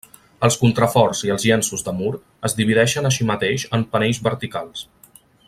Els contraforts i els llenços de mur es divideixen així mateix en panells verticals.